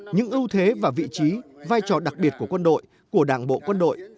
những ưu thế và vị trí vai trò đặc biệt của quân đội của đảng bộ quân đội